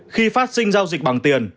khi phát sinh giao dịch bằng tiền